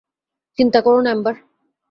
চিন্তা করো না, এম্বার।